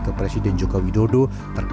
ke presiden jokowi dodo terkait penyidik